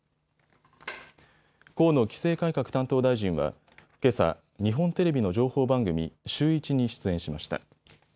河野規制改革担当大臣はけさ、日本テレビの情報番組、シューイチに出演しました。